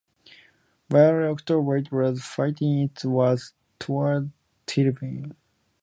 By early October it was fighting its way towards Tilburg.